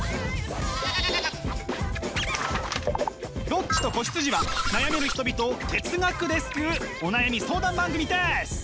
「ロッチと子羊」は悩める人々を哲学で救うお悩み相談番組です！